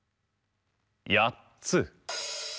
やっつ。